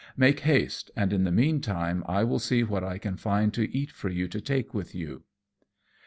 Make haste; and in the meantime I will see what I can find to eat for you to take with you."